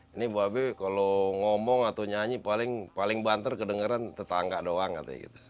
ini babi kalau ngomong atau nyanyi paling banter kedengeran tetangga doang katanya gitu